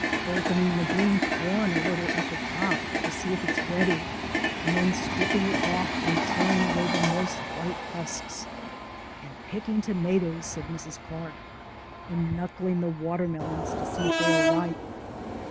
"Opening the green corn a little at the top to see if it is ready and then stripping it off and tearing away the moist white husks " "And picking tomatoes?" said Mrs. Clark. "And knuckling the watermelons to see if they are ripe?